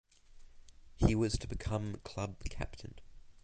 He was to become club captain.